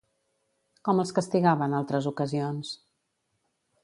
Com els castigava en altres ocasions?